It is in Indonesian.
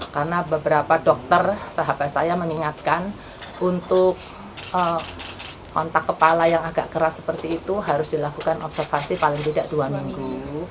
karena beberapa dokter sahabat saya mengingatkan untuk kontak kepala yang agak keras seperti itu harus dilakukan observasi paling tidak dua minggu